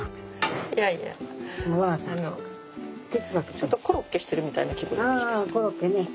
ちょっとコロッケしてるみたいな気分になってきた。